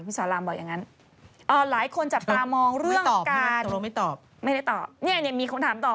คุณสอนรามบอกอย่างนั้น